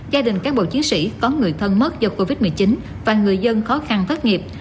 gia đình cán bộ chiến sĩ có người thân mất do covid một mươi chín và người dân khó khăn thất nghiệp